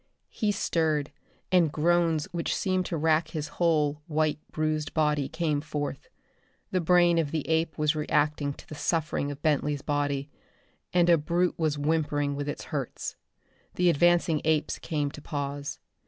He stirred, and groans which seemed to rack his whole white bruised body came forth. The brain of the ape was reacting to the suffering of Bentley's body and a brute was whimpering with its hurts. The advancing apes came to pause.